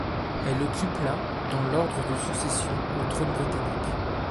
Elle occupe la dans l'ordre de succession au trône britannique.